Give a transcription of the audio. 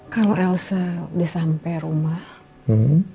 kalau elsa udah sampai rumah